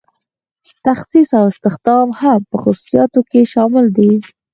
تخصیص او استخدام هم په خصوصیاتو کې شامل دي.